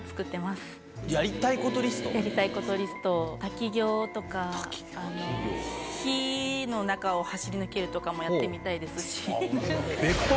やりたいことリストを滝行とか火の中を走り抜けるとかもやってみたいですし。